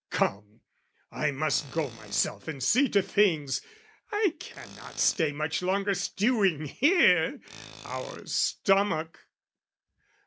Come, I must go myself and see to things: I cannot stay much longer stewing here) Our stomach...